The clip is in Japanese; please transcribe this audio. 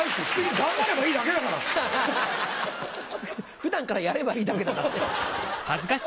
普段からやればいいだけだからね。